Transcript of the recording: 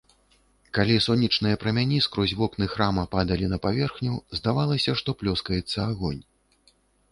Калі сонечныя прамяні скрозь вокны храма падалі на паверхню, здавалася, што плёскаецца агонь.